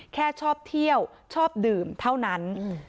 แค่ชอบเที่ยวชอบดื่มเท่านั้น